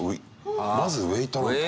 まずウエイトなんだ。